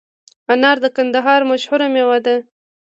انار د کندهار مشهوره میوه ده